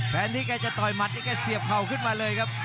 แฟนนี้แกจะต่อยหมัดนี่แกเสียบเข่าขึ้นมาเลยครับ